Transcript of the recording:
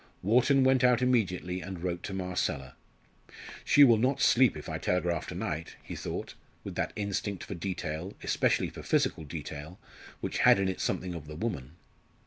Wharton went out immediately and wrote to Marcella. "She will not sleep if I telegraph to night," he thought, with that instinct for detail, especially for physical detail, which had in it something of the woman.